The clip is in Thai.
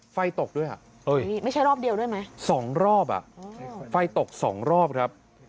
ไฟตกด้วยค่ะไม่ใช่รอบเดียวด้วยไหมสองรอบอ่ะไฟตกสองรอบครับ